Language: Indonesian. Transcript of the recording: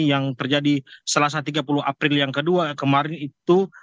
yang terjadi selasa tiga puluh april yang kedua kemarin itu